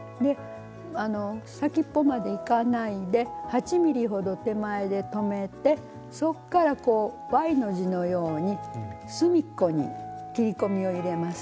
先っぽまでいかないで８ｍｍほど手前で止めてそこからＹの字のように隅っこに切り込みを入れます。